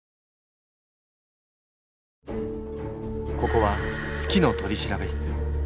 ここは「好きの取調室」。